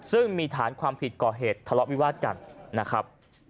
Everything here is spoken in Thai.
ซึ่งมีฐานความผิดก่อเหตุทะเลาะวิวาสกันนะครับ